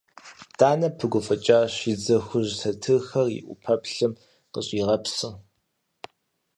Данэ пыгуфӏыкӏащ, и дзэ хужь сэтырхэр и ӏупэплъым къыщӏигъэпсыу.